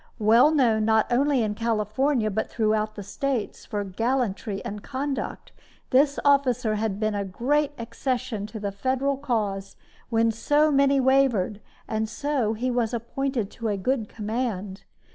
Well known not only in California, but throughout the States, for gallantry and conduct, this officer had been a great accession to the Federal cause, when so many wavered, and so he was appointed to a good command.